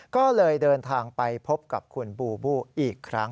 ก็เลยเดินทางไปพบกับคุณบูบูอีกครั้ง